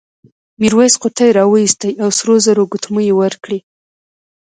میرويس قوطۍ راوایستې او سرو زرو ګوتمۍ یې ورکړې.